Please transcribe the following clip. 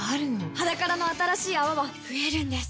「ｈａｄａｋａｒａ」の新しい泡は増えるんです